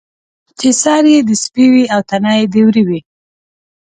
چې سر یې د سپي وي او تنه یې د وري وي.